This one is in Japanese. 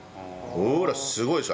ほらすごいでしょ。